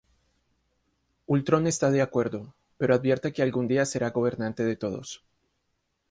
Ultron está de acuerdo, pero advierte que algún día será gobernante de todos.